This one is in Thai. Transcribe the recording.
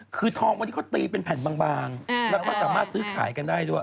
คือทองวันนี้เขาตีเป็นแผ่นบางแล้วก็สามารถซื้อขายกันได้ด้วย